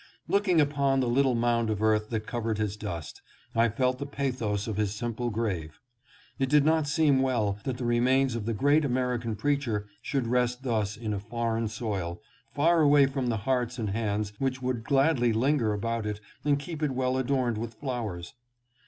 Looking upon the little mound of earth that covered his dust, I felt the pathos of his sim ple grave. It did not seem well that the remains of the great American preacher should rest thus in a foreign AT THE GRAVE OF THEODORE PARKER. 715 soil, far away from the hearts and hands which would gladly linger about it and keep it well adorned with flowers.